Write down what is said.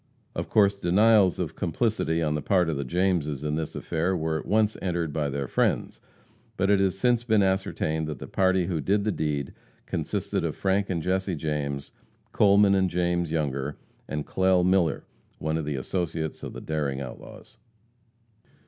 Of course, denials of complicity on the part of the Jameses in this affair were at once entered by their friends. But it has since been ascertained that the party who did the deed consisted of Frank and Jesse James, Coleman and James Younger, and Clell Miller, one of the associates of the daring outlaws.